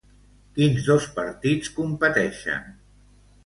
Quins dos partits competeixen?